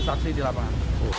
saksi di lapangan